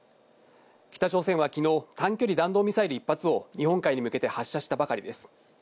北朝鮮は昨日、短距離弾道ミサイル１発を日本海に向けて発射したばかりです。